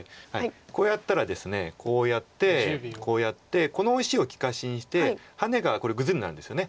こうやったらですねこうやってこうやってこの石を利かしにしてハネがこれグズミなんですよね。